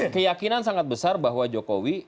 keyakinan sangat besar bahwa jokowi